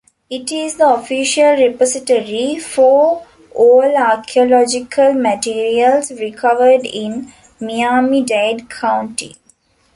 It is the official repository for all archaeological materials recovered in Miami-Dade County.